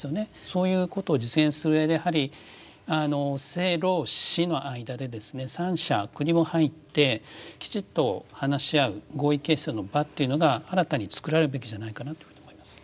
そういうことを実現する上で政労使の間でですね三者国も入ってきちっと話し合う合意形成の場というのが新たにつくられるべきじゃないかなというふうに思います。